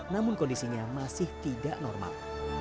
namun kondisinya masih tidak normal